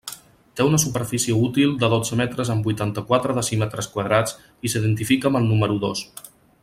Té una superfície útil de dotze metres amb vuitanta-quatre decímetres quadrats i s'identifica amb el Número Dos.